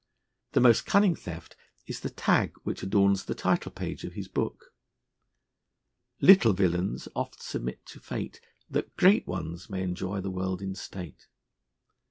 The most cunning theft is the tag which adorns the title page of his book: Little villains oft submit to fate That great ones may enjoy the world in state.